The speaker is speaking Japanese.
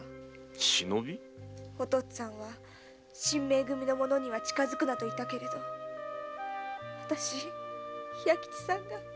お父っつぁんは神盟組の者には近づくなと言ったけどわたし弥吉さんが。